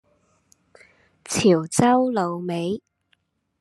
潮州滷味